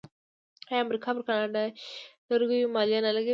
آیا امریکا پر کاناډایی لرګیو مالیه نه لګوي؟